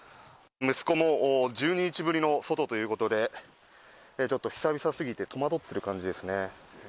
息子も１２日ぶりの外ということで、ちょっと久々すぎて、戸惑っている感じです